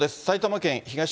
埼玉県東